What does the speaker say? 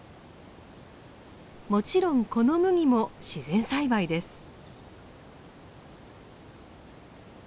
もちろんこの麦も自然栽培です。